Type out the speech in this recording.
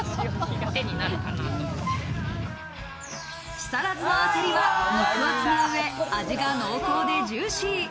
木更津のあさりは肉厚な上、味が濃厚でジューシー。